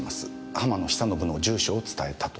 浜野久信の住所を伝えたと。